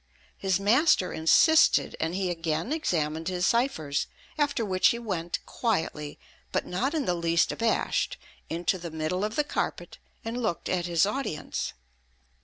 His master insisted, and he again examined his ciphers; after which he went quietly, but not in the least abashed, into the middle of the carpet, and looked at his audience.